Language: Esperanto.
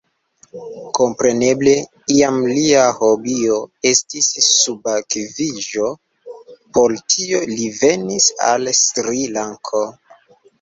Kompreneble, iam lia hobio estis subakviĝo: por tio li venis al Sri-Lanko.